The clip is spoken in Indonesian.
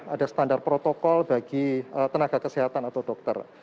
ada standar protokol bagi tenaga kesehatan atau dokter